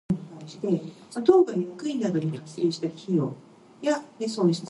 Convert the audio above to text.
Some Christian churches only observe the "temporal cycle".